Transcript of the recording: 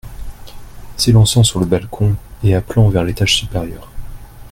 S’élançant sur le balcon et appelant vers l’étage supérieur.